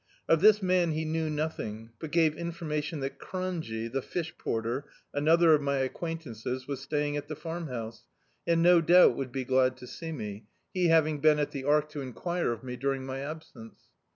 Of this man he knew nothing, but gave information that "Cronje," the fish porter, another of my acquaintances, was staying at the Farmhouse, and no doubt would be glad to see me, [2«) D,i.i,dt, Google The Farmhouse he having been at the Ark to enquire of me during my absence.